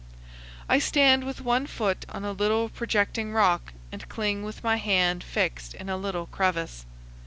I stand with one foot on a little projecting rock and cling with my hand fixed in a little crevice.